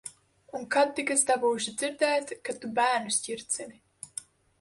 Un kad tik es dabūšu dzirdēt, ka tu bērnus ķircini.